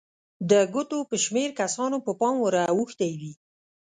د ګوتو په شمېر کسانو به پام ور اوښتی وي.